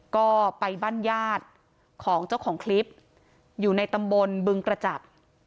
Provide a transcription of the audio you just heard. ก็ไปบ้านญาติของเจ้าของคลิปอยู่ในตำบลบึงกระจัก